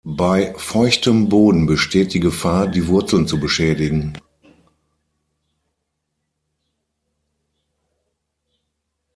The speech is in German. Bei feuchtem Boden besteht die Gefahr, die Wurzeln zu beschädigen.